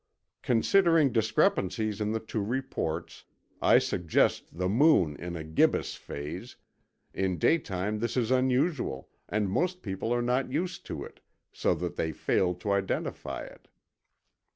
... Considering discrepancies in the two reports, I suggest the moon in a gibbous phase; in daytime this is unusual and most people are not used to it, so that they fail to identify it.